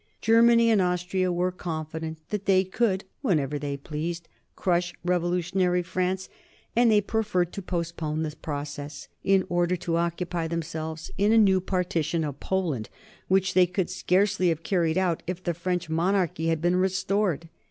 Germany and Austria were confident that they could whenever they pleased crush revolutionary France, and they preferred to postpone the process, in order to occupy themselves in a new partition of Poland, which they could scarcely have carried out if the French monarchy had been restored.